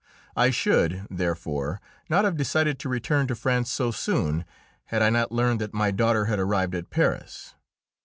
I should, therefore, not have decided to return to France so soon had I not learned that my daughter had arrived at Paris.